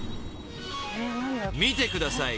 ［見てください